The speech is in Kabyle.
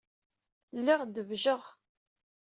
Lliɣ debjeɣ.